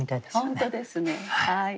本当ですねはい。